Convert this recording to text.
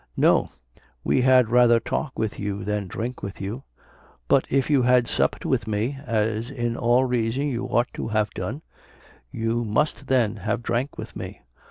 "No, we had rather talk with you than drink with you." "But if you had supped with me, as in all reason you ought to have done, you must then have drank with me.